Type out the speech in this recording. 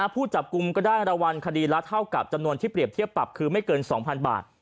ผู้จับกลุ่มก็ได้รางวัลคดีละเท่ากับจำนวนที่เปรียบเทียบปรับคือไม่เกิน๒๐๐๐บาท